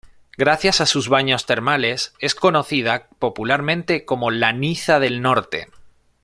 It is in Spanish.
Gracias a sus baños termales es conocida popularmente como “La Niza del Norte“.